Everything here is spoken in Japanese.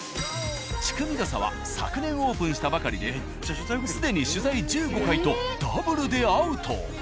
「チュクミドサ」は昨年オープンしたばかりで既に取材１５回とダブルでアウト。